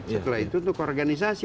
setelah itu untuk organisasi